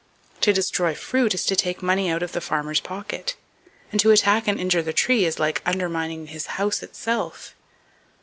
To destroy fruit is to take money out of the farmer's pocket, and to attack and injure the tree is like undermining his house itself.